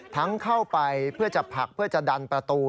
เข้าไปเพื่อจะผลักเพื่อจะดันประตู